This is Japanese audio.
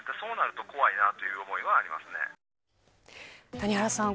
谷原さん